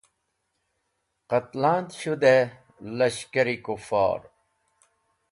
Qatlaand shudeh lashkar-e kufor